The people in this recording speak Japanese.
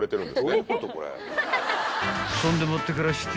［そんでもってからして］